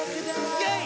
イェイ！